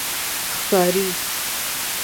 ښکاری